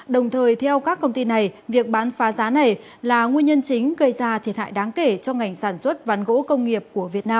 đồng thời theo các công ty này việc bán phá giá này là nguyên nhân chính gây ra thiệt hại đáng kể cho ngành sản xuất ván gỗ công nghiệp của việt nam